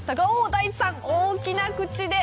大地さん、大きな口で。